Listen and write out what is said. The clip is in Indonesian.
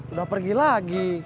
udah pergi lagi